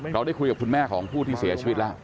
ได้คุยกับคุณแม่ของผู้ที่เสียชีวิตแล้ว